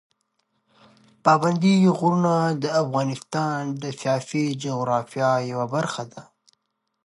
پابندي غرونه د افغانستان د سیاسي جغرافیه یوه برخه ده.